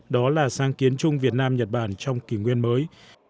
đó là sáng kiến chung việt nam nhật bản trong kỷ nguyên mới